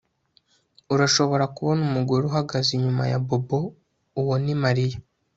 Urashobora kubona umugore uhagaze inyuma ya Bobo Uwo ni Mariya